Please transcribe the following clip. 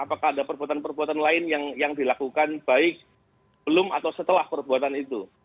apakah ada perbuatan perbuatan lain yang dilakukan baik belum atau setelah perbuatan itu